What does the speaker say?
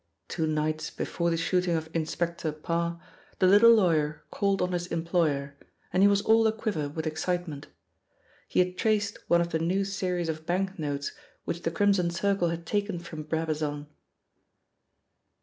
Two nights after the shooting of Inspector Parr the little lawyer called on his employer, and he was all a quiver with excitement. He had traced one of the new series of bank notes which the Crimson Circle had taken from Brabazon.